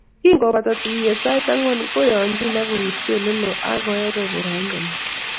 Kingopata tuiyet sait angwan, koyonchin ak kowirchi Ole loo akeobe poroindonyi